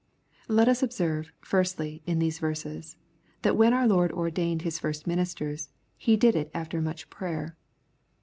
Let us observe, firstly, in these verses, that when our Lord ordained His first ministers^ He did it after much prayer.